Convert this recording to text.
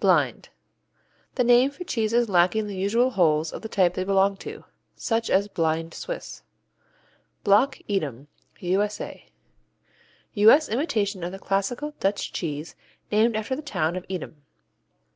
Blind The name for cheeses lacking the usual holes of the type they belong to, such as blind Swiss. Block Edam U.S.A. U.S. imitation of the classical Dutch cheese named after the town of Edam.